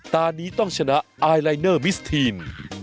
ตอนนี้ต้องชนะไอลายเนอร์มิสทีน